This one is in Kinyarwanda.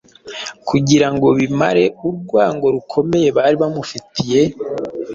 Kugira ngo bimare urwango rukomeye bari bamufitiye,